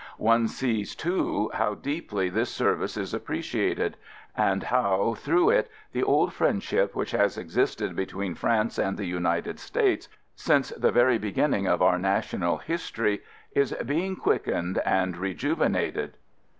One sees, too, how deeply this serv xvi INTRODUCTION ice is appreciated, and how through it the old friendship which has existed between France and the United States since the very beginning of our national history is being quickened and rejuvenated.